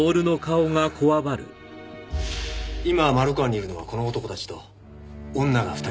今まろく庵にいるのはこの男たちと女が２人。